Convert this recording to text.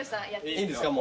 いいんですか？